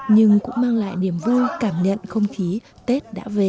nhưng cũng mang lại niềm vui cảm nhận không khí tết đã về